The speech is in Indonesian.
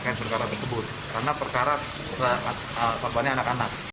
karena perkara perbuahannya anak anak